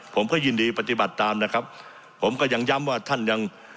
ผมก็ยินดีปฏิบัติตามนะครับผมก็ยังย้ำว่าท่านยัง